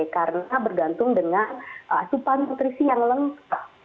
karena bergantung dengan supan nutrisi yang lengkap